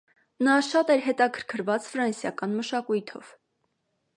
Նա շատ էր հետաքրքված ֆրանսիական մշակույթով։